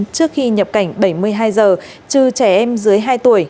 trước khi nhập cảnh